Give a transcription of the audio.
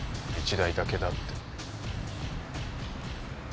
１台だけだって。